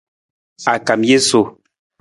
A kam jesu.